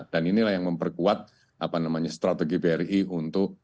dan inilah yang memperkuat apa namanya strategi bri untuk memperkuat